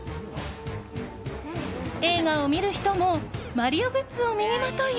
映画を見る人もマリオグッズを身にまとい